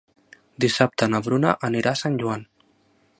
Dissabte na Bruna anirà a Sant Joan.